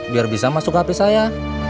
biar bisa masuk hp saya